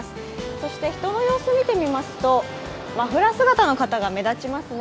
そして、人の様子を見てみますとマフラー姿の方が多いですね。